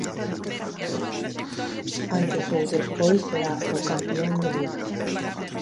Antes ou despois será o campión de Liga.